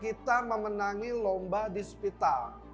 kita memenangi lomba di spital